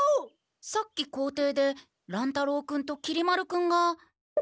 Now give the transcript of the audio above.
さっき校庭で乱太郎君ときり丸君が。